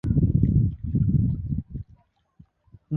জ্বি, বিজ্ঞানীরা কখনও আসলে কোনও কিছু ঘটার সম্ভাবনা শতভাগ উল্লেখ করেন না!